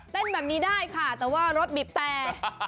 เต้นแบบนี้ได้ค่ะแต่ว่ารถบีบแต่